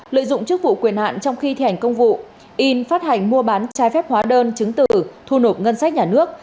lợi dụng chức vụ quyền hạn trong khi thi hành công vụ in phát hành mua bán trái phép hóa đơn chứng tử thu nộp ngân sách nhà nước